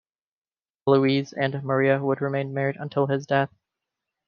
Luiz and Maria would remain married until his death.